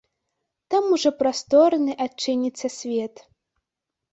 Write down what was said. Там ужо прасторны адчыніцца свет.